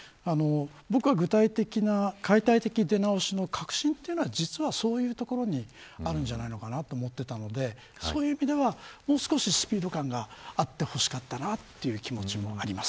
僕は、具体的な解体的出直しの核心というのは実はそういうところにあるんじゃないかなと思っていたのでそういう意味では、もう少しスピード感があってほしかったなという気持ちもあります。